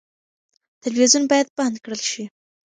تلویزیون باید بند کړل شي.